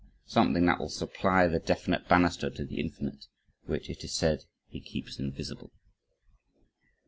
Something that will supply the definite banister to the infinite, which it is said he keeps invisible.